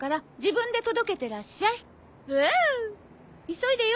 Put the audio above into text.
急いでよ。